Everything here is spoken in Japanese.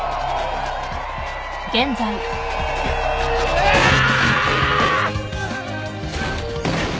うわーっ！！